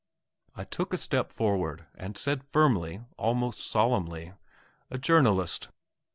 I took a step forward and said firmly, almost solemnly: "A journalist."